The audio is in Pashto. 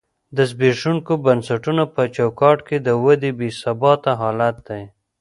د زبېښونکو بنسټونو په چوکاټ کې د ودې بې ثباته حالت دی.